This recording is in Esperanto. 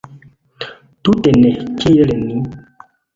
Tute ne kiel ni!